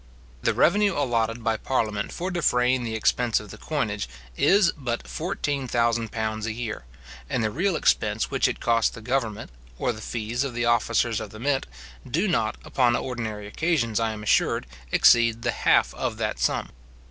The revenue allotted by parliament for defraying the expense of the coinage is but fourteen thousand pounds a year; and the real expense which it costs the government, or the fees of the officers of the mint, do not, upon ordinary occasions, I am assured, exceed the half of that sum.